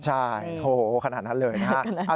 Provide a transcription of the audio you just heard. ใช่โธ่ขนาดนั้นเลยนะ